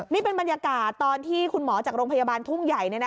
นี่เป็นบรรยากาศตอนที่คุณหมอจากโรงพยาบาลทุ่งใหญ่